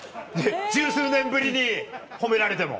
１０数年ぶりに褒められても。